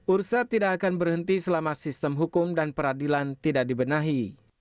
ursa tidak akan berhenti selama sistem hukum dan peradilan tidak dibenahi